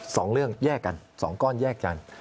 สองเรื่องแยกกันสองก้อนแยกกัน